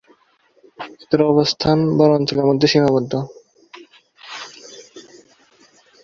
এদের অবস্থান বনাঞ্চলের মধ্যে সীমাবদ্ধ।